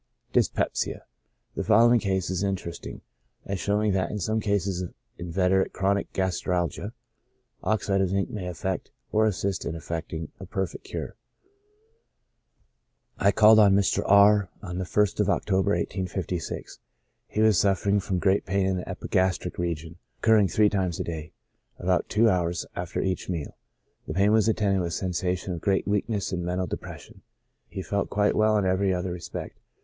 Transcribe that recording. Dyspepsia. — The following case is interesting, as showing that, in some cases of inveterate chronic gastralgia, oxide of zinc may effect, or assist in effecting, a perfect cure. I called on Mr. R — on the ist of October, 1856. He was suffering from great pain in the epigastric region, oc curring three times a day, about two hours after each meal. The pain was attended with a sensation of great weakness and mental depression ; he felt quite well in every other respect.